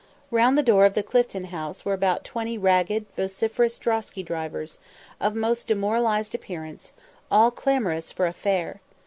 Round the door of the Clifton House were about twenty ragged, vociferous drosky drivers, of most demoralised appearance, all clamorous for "a fare."